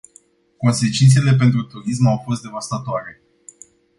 Consecințele pentru turism au fost devastatoare.